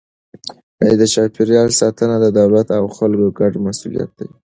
د چاپیریال ساتنه د دولت او خلکو ګډه مسئولیت دی.